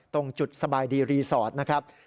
ตรงจุดสบายดีรีสอร์ทนะครับ